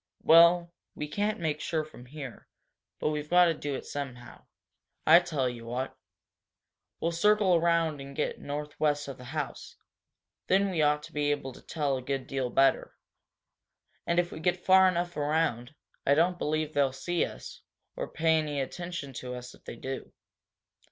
Well, we can't make sure from here, but we've got to do it somehow. I tell you what. We'll circle around and get northwest of the house. Then we ought to be able to tell a good deal better. And if we get far enough around, I don't believe they'll see us, or pay any attention to us if they do."